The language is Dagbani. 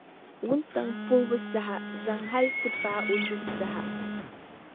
Wuntaŋ’ puhibu saha zaŋ hal ti paai o lubu saha.